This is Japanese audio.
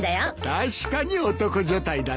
確かに男所帯だな。